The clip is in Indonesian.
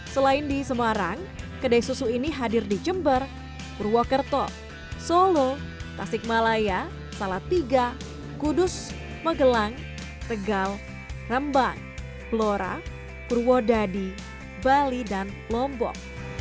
selain di semarang kedai susu ini hadir di jember purwokerto solo tasikmalaya salatiga kudus magelang tegal rembang blora purwodadi bali dan lombok